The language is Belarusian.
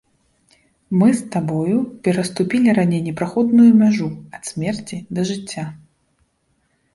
Мы з табою пераступілі раней непраходную мяжу ад смерці да жыцця.